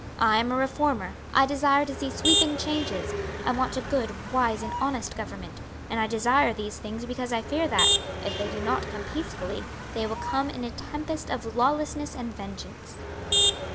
"I am a reformer; I desire to see sweeping changes; I want a good, wise, and honest government; and I desire these things because I fear that, if they do not come peacefully they will come in a tempest of lawlessness and vengeance."